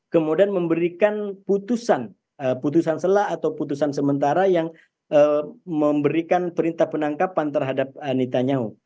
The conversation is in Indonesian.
kemudian memberikan putusan putusan selah atau putusan sementara yang memberikan perintah penangkapan terhadap anita nyahu